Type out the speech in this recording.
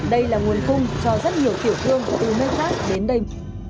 đây là nguồn khung cho rất nhiều tiểu thương từ nơi khác đến đây